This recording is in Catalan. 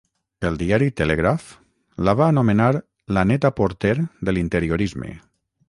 El diari Telegraph la va anomenar la "Net-a-Porter de l'interiorisme".